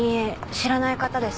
知らない方です。